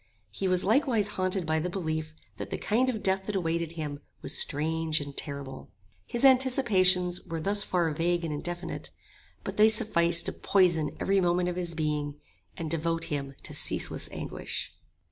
He was likewise haunted by the belief that the kind of death that awaited him was strange and terrible. His anticipations were thus far vague and indefinite; but they sufficed to poison every moment of his being, and devote him to ceaseless anguish.